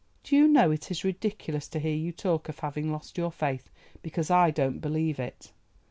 Do you know it is ridiculous to hear you talk of having lost your faith, because I don't believe it.